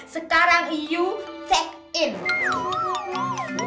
sekarang yuh sesobir